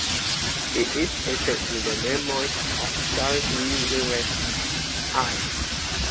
It is stated in the 'Memoirs of Charles Lee Lewes,' i.